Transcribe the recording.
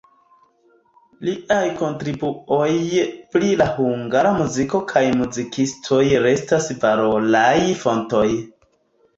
Liaj kontribuoj pri la hungara muziko kaj muzikistoj restas valoraj fontoj.